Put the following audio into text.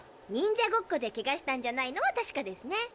ニンジャごっこでケガしたんじゃないのは確かですね。